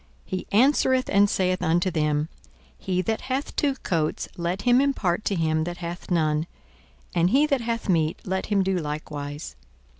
42:003:011 He answereth and saith unto them, He that hath two coats, let him impart to him that hath none; and he that hath meat, let him do likewise.